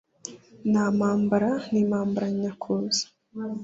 na mpambara n’impamanyamakuza